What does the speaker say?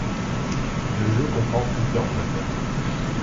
Le jeu comprend plusieurs modes.